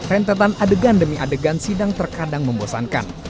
rentetan adegan demi adegan sidang terkadang membosankan